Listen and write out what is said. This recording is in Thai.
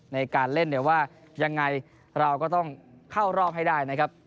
ในการเล่นเนี่ยว่ายังไงเราก็ต้องเข้ารอบให้ได้นะครับ